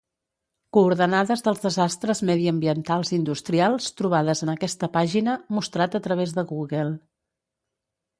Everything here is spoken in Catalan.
Coordenades dels desastres mediambientals industrials trobades en aquesta pàgina, mostrat a través de Google.